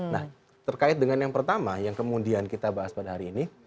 nah terkait dengan yang pertama yang kemudian kita bahas pada hari ini